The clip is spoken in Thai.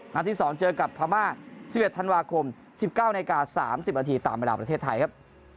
นัดที่สองเจอกับพม่าสิบเอ็ดธันวาคมสิบเก้าในการสามสิบนาทีตามเวลาประเทศไทยครับ